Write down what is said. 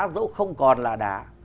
dẫu không còn là đá